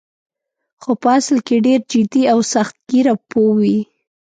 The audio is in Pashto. خو په اصل کې ډېر جدي او سخت ګیره پوه وې.